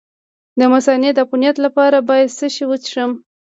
د مثانې د عفونت لپاره باید څه شی وڅښم؟